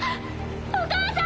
お母さん！